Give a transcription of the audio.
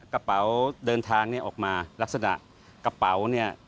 กระเป๋าเดินทางออกมาลักษณะกระเป๋า